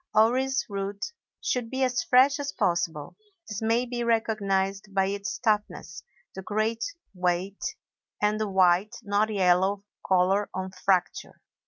Orris root should be as fresh as possible; this may be recognized by its toughness, the great weight, and the white, not yellow color on fracture.